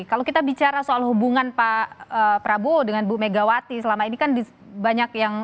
kalau kita bicara soal hubungan pak prabowo dengan bu megawati selama ini kan banyak yang